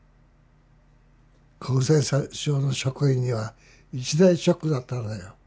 厚生省の職員には一大ショックだったのよ。